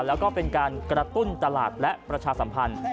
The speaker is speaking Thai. แล้วก็เป็นการกระตุ้นตลาดและประชาสัมพันธ์